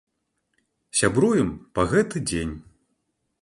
Сябруем па гэты дзень.